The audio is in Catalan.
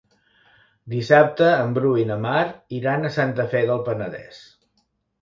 Dissabte en Bru i na Mar iran a Santa Fe del Penedès.